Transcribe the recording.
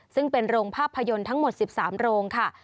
ซึ่งเป็นโรงภาพยนตร์ทั้งหมด๑๓โรงค่ะ